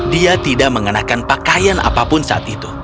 dia tidak mengenakan pakaian apapun saat itu